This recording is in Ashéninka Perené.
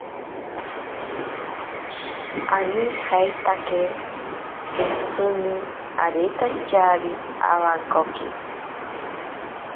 Anijeitake shintsini aretantyari awankoki.